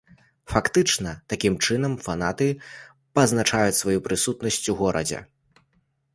Фактычна, такім чынам фанаты пазначаюць сваю прысутнасць у горадзе.